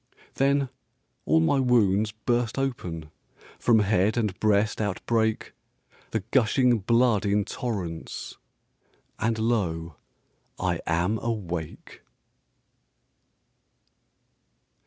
Then all my wounds burst open, From head and breast outbreak The gushing blood in torrents And lo, I am awake!